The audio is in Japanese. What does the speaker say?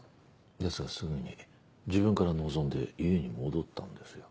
ですがすぐに自分から望んで家に戻ったんですよ。